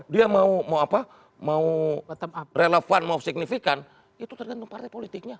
dia mau relevan mau signifikan itu tergantung partai politiknya